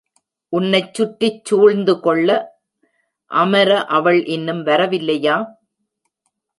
உன்னைச் சுற்றிச் சூழ்ந்துகொள்ள அமர அவள் இன்னும் வரவில்லையா?